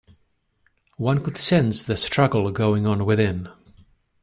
One could sense the struggle going on within.